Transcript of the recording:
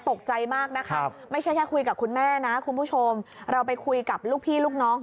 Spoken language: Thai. ตกใจมากนะครับไม่ใช่แค่คุยกับคุณแม่นะคุณผู้ชมเราไปคุยกับลูกพี่ลูกน้อง